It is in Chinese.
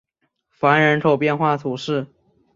凡人口变化图示